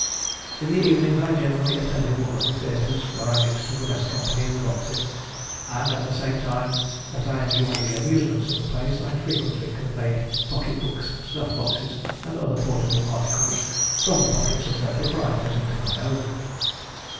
In the evenings I generally attended one of the theatres, where I mixed with the best company in the boxes, and, at the same time that I enjoyed the amusements of the place, I frequently conveyed pocket books, snuff boxes, and other portable articles, from the pockets of their proprietors into my own.